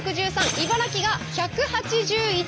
茨城が１８１。